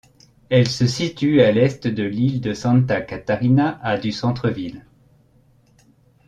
Elle se situe à l'est de l'île de Santa Catarina, à du centre ville.